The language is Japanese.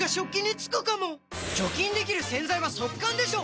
除菌できる洗剤は速乾でしょ！